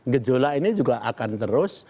gejolak ini juga akan terus